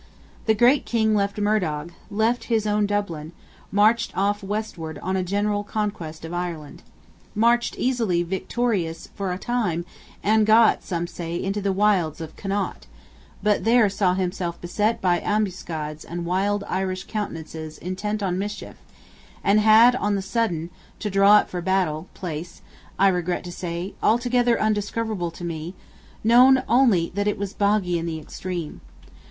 The great King left Murdog; left his own Dublin; marched off westward on a general conquest of Ireland. Marched easily victorious for a time; and got, some say, into the wilds of Connaught, but there saw himself beset by ambuscades and wild Irish countenances intent on mischief; and had, on the sudden, to draw up for battle; place, I regret to say, altogether undiscoverable to me; known only that it was boggy in the extreme.